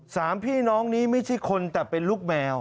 สามพี่น้องนี้ไม่ใช่คนแต่เป็นลูกแมว